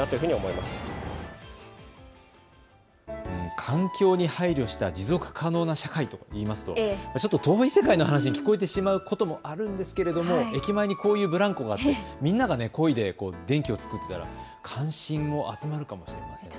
環境に配慮した持続可能な社会といいますと遠い世界の話に聞こえてしまうこともあるんですけれども駅前にこういうブランコがあるとみんながこいで電気を作ったら、関心も集まるかも知れませんね。